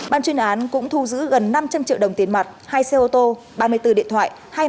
ban chuyên án cũng thu giữ gần năm trăm linh triệu đồng tiền mặt hai xe ô tô ba mươi bốn điện thoại